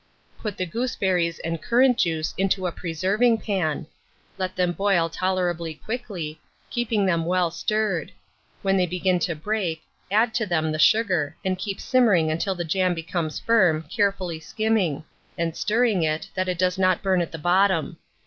Put the gooseberries and currant juice into a preserving pan; let them boil tolerably quickly, keeping them well stirred; when they begin to break, add to them the sugar, and keep simmering until the jam becomes firm, carefully skimming: and stirring it, that it does not burn at the bottom.